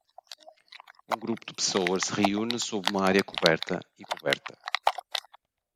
Um grupo de pessoas se reúne sob uma área coberta e coberta.